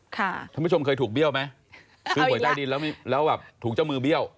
ท่านผู้ชมเคยถูกเบี้ยวไหมซื้อหวยใต้ดินแล้วแบบถูกเจ้ามือเบี้ยว